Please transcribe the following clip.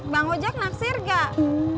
bang ojak naksir gak